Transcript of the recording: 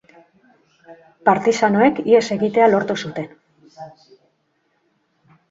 Partisanoek ihes egitea lortu zuten.